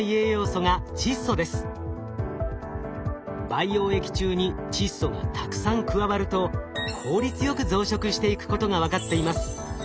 培養液中に窒素がたくさん加わると効率よく増殖していくことが分かっています。